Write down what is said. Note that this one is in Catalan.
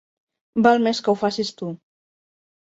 Val més que ho facis tu.